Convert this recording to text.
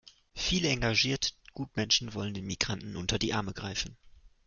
Viele engagierte Gutmenschen wollen den Migranten unter die Arme greifen.